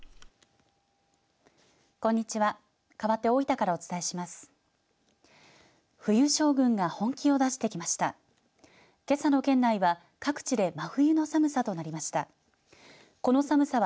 こんにちは。